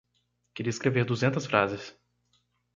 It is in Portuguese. Queria escrever duzentas frases.